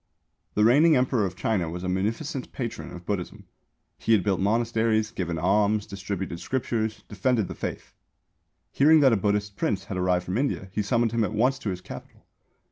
The reigning Emperor of China was a munificent patron of Buddhism. He had built monasteries, given alms, distributed scriptures, defended the faith. Hearing that a Buddhist prince had arrived from India he summoned him at once to his Capital.